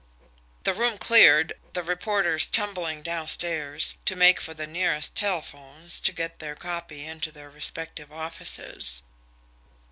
The room cleared, the reporters tumbling downstairs to make for the nearest telephones to get their "copy" into their respective offices.